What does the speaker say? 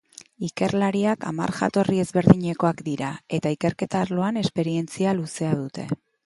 Ikerlariak hamar jatorri ezberdinekoak dira eta ikerketa arloan esperientzia luzea dute.